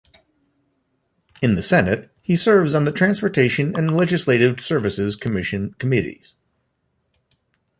In the Senate, he serves on the Transportation and Legislative Services Commission committees.